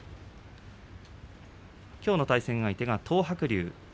きょうの対戦相手は東白龍。